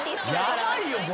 ヤバいよこれ。